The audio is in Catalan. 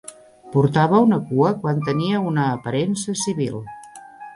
Portava una cua quan tenia una aparença civil.